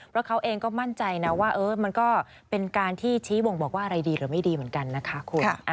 เพราะเขาเองก็มั่นใจนะว่ามันก็เป็นการที่ชี้วงบอกว่าอะไรดีหรือไม่ดีเหมือนกันนะคะคุณ